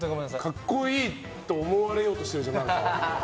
格好いいと思われようとしてるじゃん。